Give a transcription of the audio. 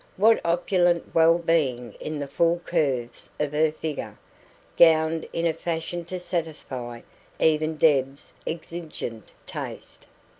What opulent well being in the full curves of her figure, gowned in a fashion to satisfy even Deb's exigent taste.